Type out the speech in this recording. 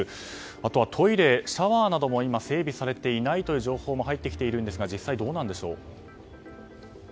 あとは、トイレやシャワーなども整備されていないという情報も入ってきているんですが実際、どうなんでしょう。